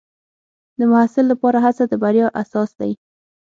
د محصل لپاره هڅه د بریا اساس دی.